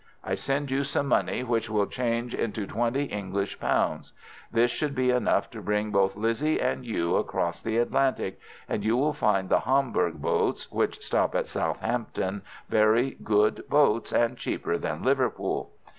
I send you some money which will change into twenty English pounds. This should be enough to bring both Lizzie and you across the Atlantic, and you will find the Hamburg boats which stop at Southampton very good boats, and cheaper than Liverpool.